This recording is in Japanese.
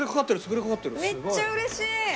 めっちゃ嬉しい！